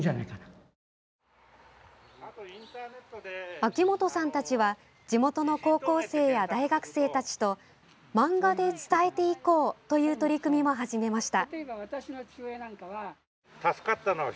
秋本さんたちは地元の高校生や大学生たちと漫画で伝えていこうという取り組みも始めました。